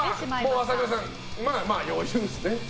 今のは朝倉さんまあまあ余裕ですね。